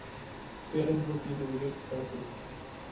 Criada en Brooklyn, Nueva York, Estados Unidos.